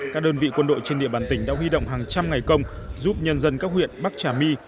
các đơn vị quân đội trên địa bàn tỉnh đã huy động hàng trăm ngày công giúp nhân dân các huyện bắc trà my